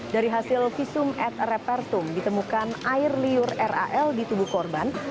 dari hasil visum et repertum ditemukan air liur ral di tubuh korban